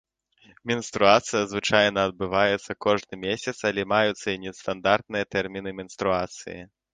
Менструацыя звычайна адбываецца кожны месяц, але маюцца і нестандартныя тэрміны менструацыі.